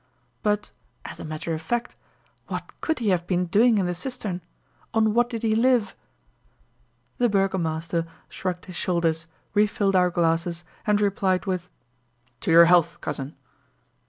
"But, as a matter of fact, what could he have been doing in the cistern? On what did he live?" The burgomaster shrugged his shoulders, refilled our glasses, and replied with: "To your health, cousin."